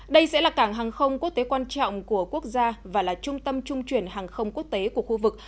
đây sẽ là cảng hàng không quốc tế quan trọng của quốc gia và là trung tâm trung chuyển hàng không quốc tế của khu vực